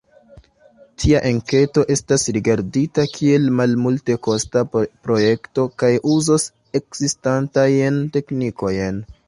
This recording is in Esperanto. Tia enketo estas rigardita kiel malmultekosta projekto kaj uzos ekzistantajn teknikojn.